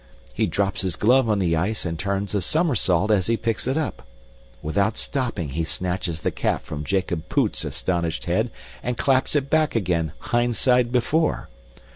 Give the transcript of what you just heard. He drops his glove on the ice and turns a somersault as he picks it up. Without stopping he snatches the cap from Jacob Poot's astonished head and claps it back again "hindside before."